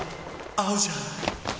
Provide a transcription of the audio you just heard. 合うじゃん！！